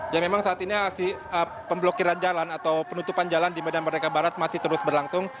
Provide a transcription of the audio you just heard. ya memang saat ini aksi pemblokiran jalan atau penutupan jalan di medan merdeka barat masih terus berlangsung